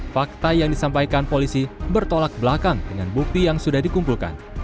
fakta yang disampaikan polisi bertolak belakang dengan bukti yang sudah dikumpulkan